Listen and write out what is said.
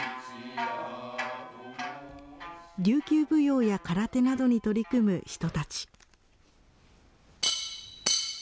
琉球舞踊や空手などに取り組む人たち。